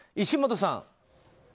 石本さん。